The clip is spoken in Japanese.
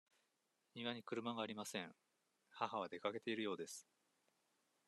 庭に車がありません。母は出かけているようです。